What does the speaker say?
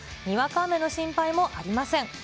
にわか雨の心配もありません。